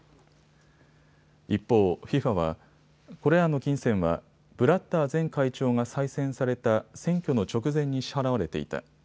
一方、ＦＩＦＡはこれらの金銭はブラッター前会長が再選された選挙の直前に支払われていた。